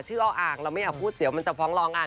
อ่าอ่างเราไม่อยากพูดเดี๋ยวมันจะฟ้องร้องกัน